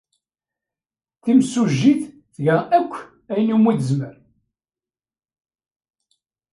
Timsujjit tga akk ayen umi tezmer.